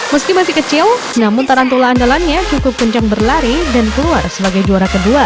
meski masih kecil namun tarantula andalannya cukup kencang berlari dan keluar sebagai juara kedua